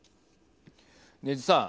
禰津さん。